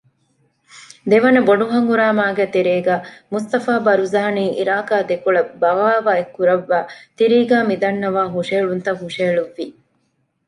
ދެވަނަ ބޮޑު ހަނގުރާމައިގެ ތެރޭގައި މުޞްޠަފާ ބަރުޒާނީ ޢިރާޤާ ދެކޮޅަށް ބަޣާވާތް ކުރައްވައި ތިރީގައި މިދަންނަވާ ހުށަހެޅުންތައް ހުށަހެޅުއްވި